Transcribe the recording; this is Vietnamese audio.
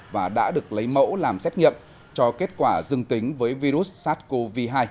và đã được lấy mẫu làm xét nghiệm cho kết quả dương tính với virus sars cov hai